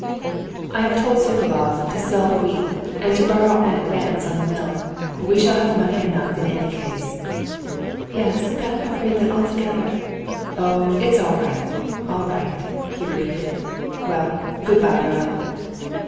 "I have told Sokolov to sell the wheat, and to borrow an advance on the mill. We shall have money enough in any case." "Yes, but I'm afraid that altogether...." "Oh, it's all right, all right," he repeated. "Well, good bye, darling."